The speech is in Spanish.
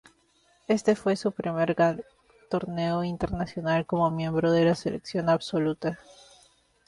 Este fue su primer gran torneo internacional como miembro de la selección absoluta.